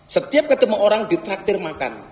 setiap ketemu orang dipraktir makan